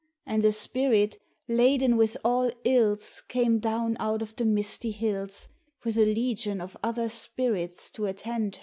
And a spirit laden with all ills Came down out of the misty hills With a legion of other spirits to attend her.